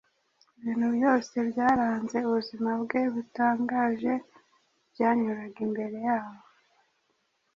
ibintu byose byaranze ubuzima bwe butangaje byanyuraga imbere yabo.